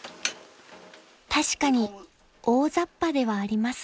［確かに大ざっぱではありますが］